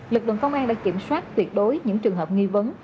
lực lượng công an đã kiểm soát tuyệt đối những trường hợp nghi vấn